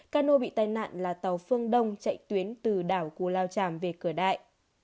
ca nô bị tai nạn là tàu phương đông chạy tuyến từ đảo cú lao chàm về cửa đại